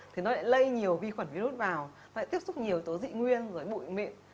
thì nó lại lây nhiều vi khuẩn virus vào nó lại tiếp xúc nhiều tố dị nguyên dưới bụi miệng